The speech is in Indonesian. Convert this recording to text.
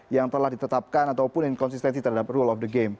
yang telah ditetapkan ataupun inkonsistensi terhadap rule of the game